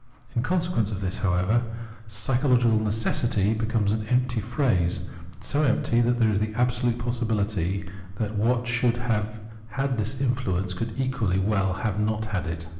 In consequence of this, how ever, " psychological necessity "' becomes an empty phrase, so empty that there is the absolute possibihty that what should have had this influence could equally well not have had it.